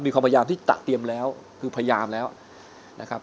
พยายามที่จะเตรียมแล้วคือพยายามแล้วนะครับ